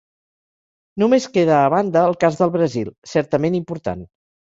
Només queda a banda el cas del Brasil, certament important.